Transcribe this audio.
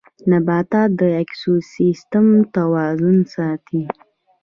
نباتات د ايکوسيستم توازن ساتي